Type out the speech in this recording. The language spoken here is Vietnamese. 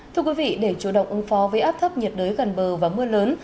thưa quý vị để chủ động ứng phó với áp thấp nhiệt đới gần bờ và mưa lớn